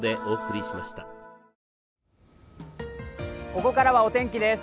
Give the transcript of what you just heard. ここからはお天気です。